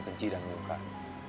kenci dan menukar